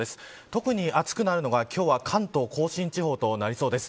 特に暑くなるのが今日は関東甲信地方となりそうです。